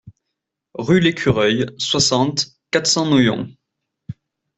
Rue l'Écureuil, soixante, quatre cents Noyon